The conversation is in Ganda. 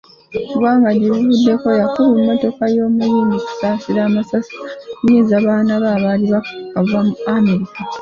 Gwanga gye buvuddeko yakuba emmotoka y'omuyimbi Kusaasira amasasi lwa kunyiiza baana be abaali baakava mu America.